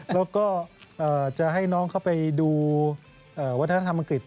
แล้วก็จะให้น้องเข้าไปดูวัฒนธรรมอังกฤษ